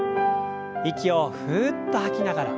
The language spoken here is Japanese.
息をふっと吐きながら。